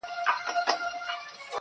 د وجود ساز ته یې رگونه له شرابو جوړ کړل.